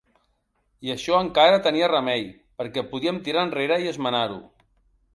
I això encara tenia remei, perquè podíem tirar enrere i esmenar-ho.